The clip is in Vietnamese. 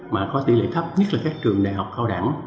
mà có tỷ lệ thấp nhất là các trường đại học cao đẳng